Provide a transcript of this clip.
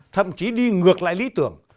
thậm chí đi ngược lại lý tưởng